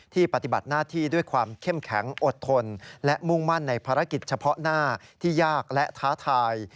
ปฏิบัติหน้าที่ด้วยความเข้มแข็งอดทนและมุ่งมั่นในภารกิจเฉพาะหน้าที่ยากและท้าทาย